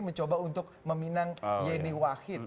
mencoba untuk meminang yeni wahid